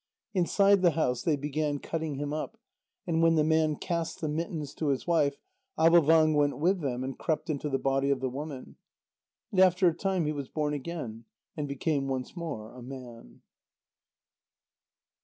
Inside the house, they began cutting him up, and when the man cast the mittens to his wife, Avôvang went with them, and crept into the body of the woman. And after a time he was born again, and became once more a man.